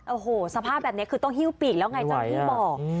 โอ้โหสภาพแบบนี้คือต้องหิ้วปีกแล้วไงเจ้าหน้าที่บอก